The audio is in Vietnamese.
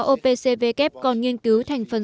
opcvk còn nghiên cứu thành phần